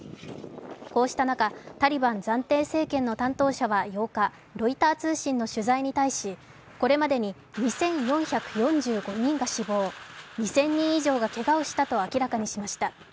こうした中、タリバン暫定政権の担当者は８日、ロイター通信の取材に対し、これまでに２４４５人が死亡、２０００人以上がけがをしたと明らかにしました。